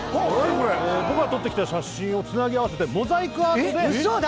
これ僕が撮ってきた写真をつなぎ合わせてモザイクアートでえっ嘘だ！